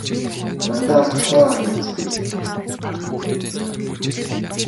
Замдаа алдчихав аа гэж захиж гэнэ.